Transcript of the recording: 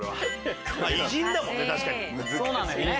偉人だもんね